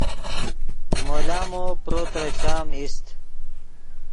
مو لامو پرو ترے چام ایست